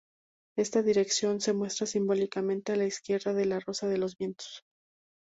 Esta dirección se muestra simbólicamente a la izquierda de la Rosa de los vientos.